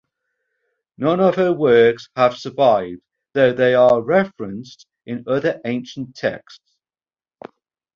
None of her works have survived, though they are referenced in other ancient texts.